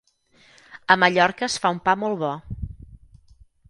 A Mallorca es fa un pa molt bo